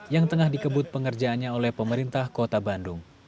yang tengah dikebut pengerjaannya oleh pemerintah kota bandung